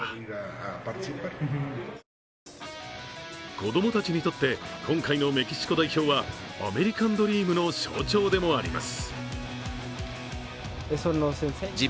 子供たちにとって今回のメキシコ代表はアメリカンドリームの象徴でもあります。